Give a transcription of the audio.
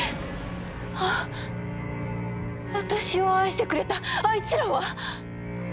あ私を愛してくれたあいつらは？